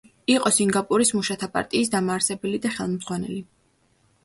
იყო სინგაპურის მუშათა პარტიის დამაარსებელი და ხელმძღვანელი.